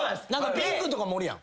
ピンクとかもおるやん。